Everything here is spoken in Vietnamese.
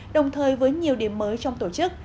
đồng thời với nhiều điểm mới trong tổ chức